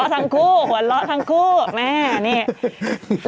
หัวเราะทั้งคู่แม่นี่